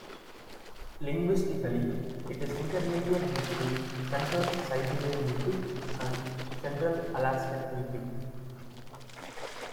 Linguistically, it is intermediate between Central Siberian Yupik and Central Alaskan Yup'ik.